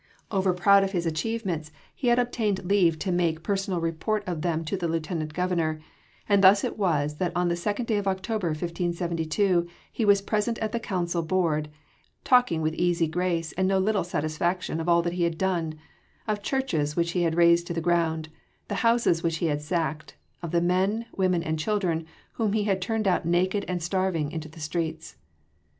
Overproud of his achievements he had obtained leave to make personal report of them to the Lieutenant Governor, and thus it was that on this 2nd day of October, 1572, he was present at the council board, talking with easy grace and no little satisfaction of all that he had done: of the churches which he had razed to the ground, the houses which he had sacked, of the men, women and children whom he had turned out naked and starving into the streets.